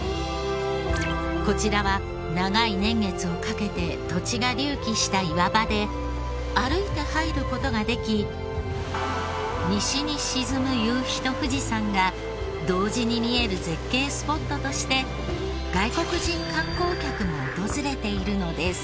こちらは長い年月をかけて土地が隆起した岩場で歩いて入る事ができ西に沈む夕日と富士山が同時に見える絶景スポットとして外国人観光客も訪れているのです。